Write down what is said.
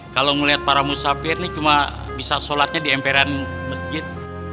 kalau melihat para musafir ini cuma bisa sholatnya di emperan masjid